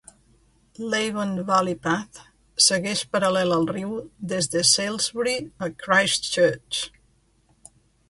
L'Avon Valley Path segueix paral·lel al riu des de Salisbury a Christchurch.